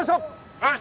よし！